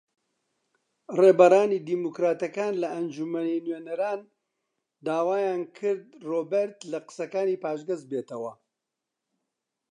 ڕێبەرانی دیموکراتەکان لە ئەنجومەنی نوێنەران داوایان کرد ڕۆبێرت لە قسەکانی پاشگەز ببێتەوە